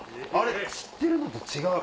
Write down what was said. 知ってるのと違う。